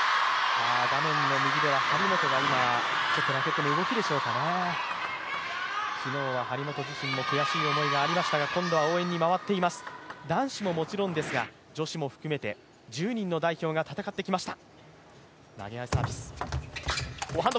画面の右では張本がラケットの動きでしょうかね、昨日は張本自身も悔しい思いがありましたが、今度は応援に回っています、男子ももちろんですが、女子も含めて１０人の代表が戦ってきました。